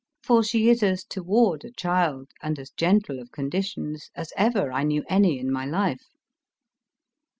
For she is as toward a child and as gentle of conditions, as ever I knew any in my life."